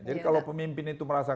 jadi kalau pemimpin itu merasa